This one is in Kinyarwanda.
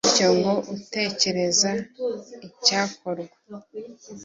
bityo ngo atekereza icyakorwa